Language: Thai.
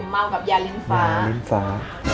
เมากับยาลิ้มฟ้า